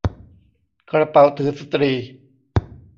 กระเป๋าถือสตรี